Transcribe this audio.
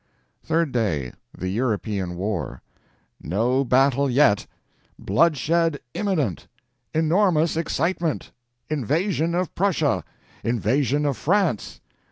......................... Third Day THE EUROPEAN WAR NO BATTLE YET! BLOODSHED IMMINENT!! ENORMOUS EXCITEMENT!! INVASION OF PRUSSIA!! INVASION OF FRANCE!!